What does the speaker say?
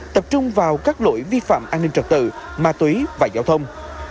tập trung vào các lỗi vi phạm an ninh trật tự ma túy và giao thông